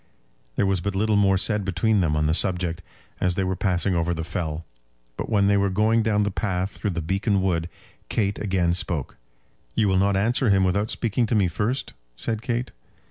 There was but little more said between them on the subject as they were passing over the fell, but when they were going down the path through the Beacon Wood, Kate again spoke: "You will not answer him without speaking to me first?" said Kate.